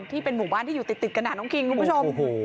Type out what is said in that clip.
ที่เป็นหมู่บ้านที่อยู่ติดกันน้องคิงคุณผู้ชม